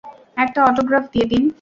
একটা অটোগ্রাফ দিয়ে দিন।